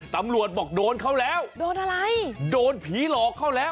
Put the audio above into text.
ตำรวจบอกโดนเขาแล้วโดนอะไรโดนผีหลอกเขาแล้ว